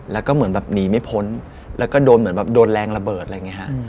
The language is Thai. แล้วก็เหมือนหนีไม่พ้นแล้วก็โดนแรงระเบิดอะไรอย่างนี้